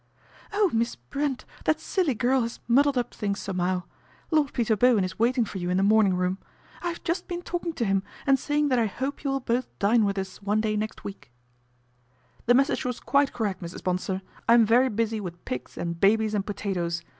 " Oh, Miss Brent, that silly girl has muddled up things somehow ! Lord Peter Bowen is waiting for you in the morning room. I have just been talking to him and saying that I hope you will both dine with us one day next week." A BOMBSHELL 165 ' The message was quite correct, Mrs. Bonsor. I am very busy with pigs, and babies, and potatoes.